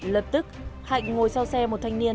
lập tức hạnh ngồi sau xe một thanh niên